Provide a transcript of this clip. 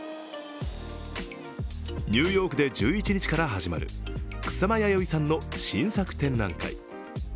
ニューヨークで１１日から始まる草間彌生さんの新作展覧会。